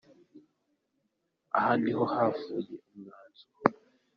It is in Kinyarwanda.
Aha niho havuye umwanzuro.